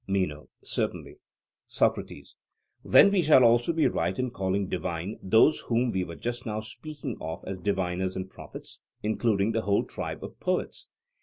MENO: Certainly. SOCRATES: Then we shall also be right in calling divine those whom we were just now speaking of as diviners and prophets, including the whole tribe of poets.